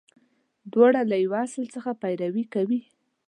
• دواړه له یوه اصل څخه پیروي کوي.